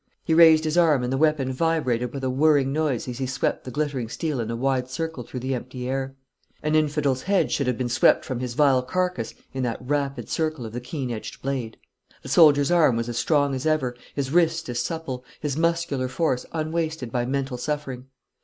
He raised his arm, and the weapon vibrated with a whirring noise as he swept the glittering steel in a wide circle through the empty air. An infidel's head should have been swept from his vile carcass in that rapid circle of the keen edged blade. The soldier's arm was as strong as ever, his wrist as supple, his muscular force unwasted by mental suffering.